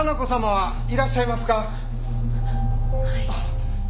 はい。